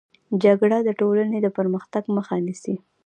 جګړه د ټولني د پرمختګ مخه نيسي.